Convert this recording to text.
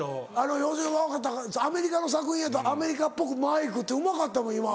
要するに分かったアメリカの作品やったらアメリカっぽく「マイク」ってうまかったもん今。